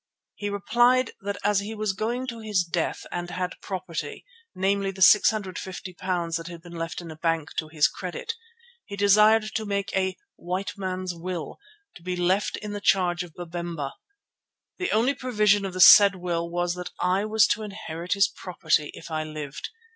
He replied that as he was going to his death and had property, namely the £650 that had been left in a bank to his credit, he desired to make a "white man's will" to be left in the charge of Babemba. The only provision of the said will was that I was to inherit his property, if I lived.